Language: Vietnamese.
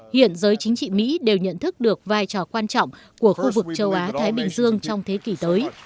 hiện giới chính trị mỹ đều nhận thức được vai trò quan trọng của khu vực châu á thái bình dương trong thế kỷ tới